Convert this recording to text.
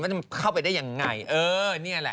จะเข้าไปได้ยังไงเออนี่แหละ